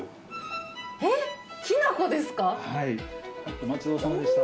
お待ちどおさまでした。